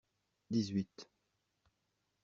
Dix-huit.